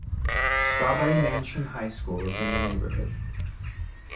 Strawberry Mansion High School is in the neighborhood.